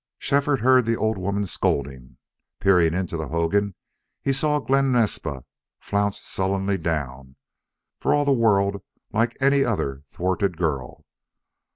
Shefford heard the old woman scolding. Peering into the hogan, he saw Glen Naspa flounce sullenly down, for all the world like any other thwarted girl.